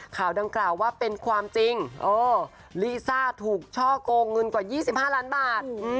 ข่าวดังกล่าวว่าเป็นความจริงลิซ่าถูกช่อกงเงินกว่า๒๕ล้านบาท